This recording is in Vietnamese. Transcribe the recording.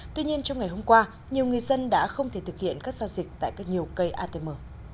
tuy nhiên trong ngày hôm qua nhiều người dân đã không thể thực hiện các giao dịch tại các nhiều cây atm